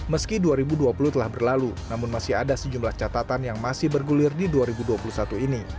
meski dua ribu dua puluh telah berlalu namun masih ada sejumlah catatan yang masih bergulir di dua ribu dua puluh satu ini